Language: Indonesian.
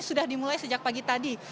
sudah dimulai sejak pagi tadi